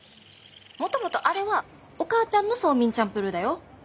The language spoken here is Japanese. もともとあれはお母ちゃんのソーミンチャンプルーだよ。